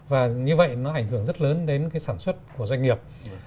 và như vậy nó ảnh hưởng rất lớn đến cái sản xuất của doanh nghiệp